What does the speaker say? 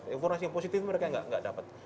informasi yang positif mereka nggak dapat